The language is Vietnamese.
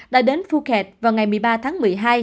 đã đến phuket vào ngày một mươi ba tháng một mươi hai